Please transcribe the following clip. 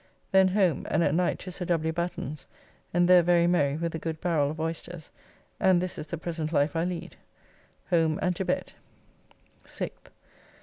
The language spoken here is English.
Then home, and at night to Sir W. Batten's, and there very merry with a good barrell of oysters, and this is the present life I lead. Home and to bed. 6th.